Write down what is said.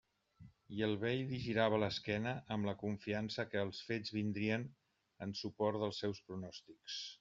I el vell li girava l'esquena, amb la confiança que els fets vindrien en suport dels seus pronòstics.